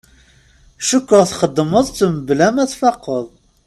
Cukkeɣ txedmeḍ-t mebla ma tfaqeḍ.